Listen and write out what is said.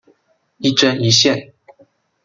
一针一线